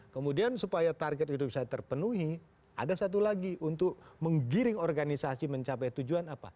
kemudian supaya target hidup saya terpenuhi ada satu lagi untuk menggiring organisasi mencapai tujuan apa